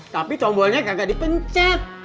tapi tombolnya nggak dipencet